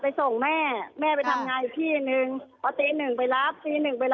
ไปส่งแม่แม่ไปทำงานอีกพี่นึง